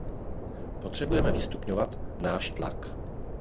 Potřebujeme vystupňovat náš tlak.